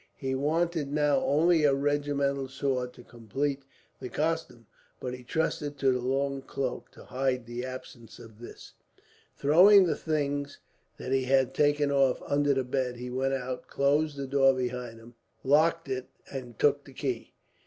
He wanted now only a regimental sword to complete the costume, but he trusted to the long cloak to hide the absence of this. Throwing the things that he had taken off under the bed, he went out, closed the door behind him, locked it, and took the key.